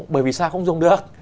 bởi vì sao không dùng được